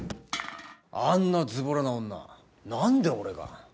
あんなズボラな女なんで俺が。